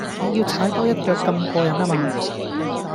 仲要踩多一腳咁過癮呀嗎